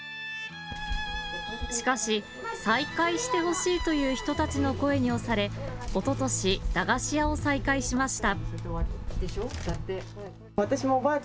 しかし再開してほしいという人たちの声に押されおととし駄菓子屋を再開しました。